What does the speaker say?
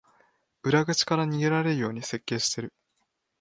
裏口から逃げられるように設計してる